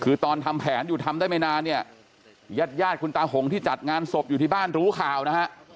คือตอนทำแผนอยู่ทำได้ไม่นานเนี่ยญาติญาติคุณตาหงที่จัดงานศพอยู่ที่บ้านรู้ข่าวนะฮะ